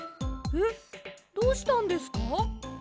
えっどうしたんですか？